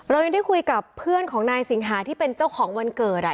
เรายังได้คุยกับเพื่อนของนายสิงหาที่เป็นเจ้าของวันเกิด